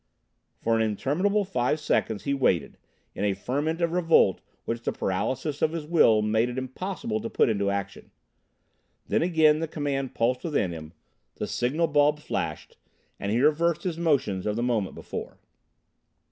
For an interminable five seconds he waited, in a ferment of revolt which the paralysis of his will made it impossible to put into action. Then again the command pulsed within him, the signal bulb flashed, and he reversed his motions of the moment before.